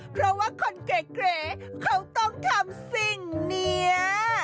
เพราะว่าคนเก๋เขาต้องทำสิ่งนี้